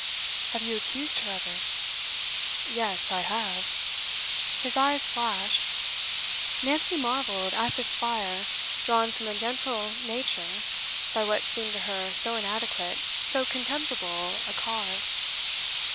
'Have you accused her of it?' 'Yes, I have.' His eyes flashed. Nancy marvelled at this fire, drawn from a gentle nature by what seemed to her so inadequate, so contemptible a cause.